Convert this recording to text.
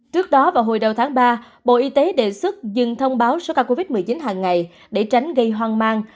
trước đó vào hồi đầu tháng ba bộ y tế đề xuất dừng thông báo số ca covid một mươi chín hàng ngày để tránh gây hoang mang